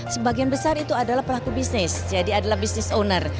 sebagian besar itu adalah pelaku bisnis jadi adalah bisnis owner